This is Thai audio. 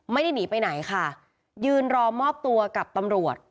ไม่ได้หนีไปไหนค่ะยืนรอมอบตัวกับตำรวจ